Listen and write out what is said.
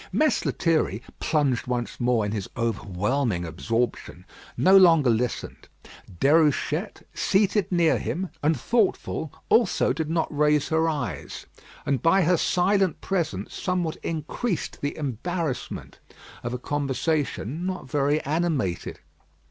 Mess Lethierry, plunged once more in his overwhelming absorption, no longer listened. Déruchette, seated near him, and thoughtful, also did not raise her eyes, and by her silent presence somewhat increased the embarrassment of a conversation not very animated.